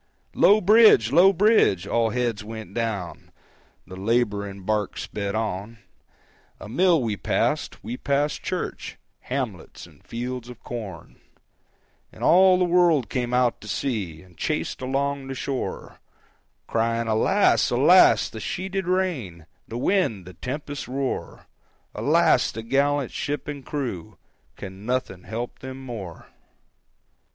371.jpg (102K) "Low bridge! low bridge!" all heads went down, The laboring bark sped on; A mill we passed, we passed church, Hamlets, and fields of corn; And all the world came out to see, And chased along the shore Crying, "Alas, alas, the sheeted rain, The wind, the tempest's roar! Alas, the gallant ship and crew, Can nothing help them more?"